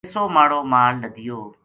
لِسو ماڑو مال لَدیو